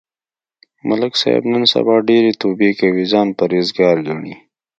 ملک صاحب نن سبا ډېرې توبې کوي، ځان پرهېز گار گڼي.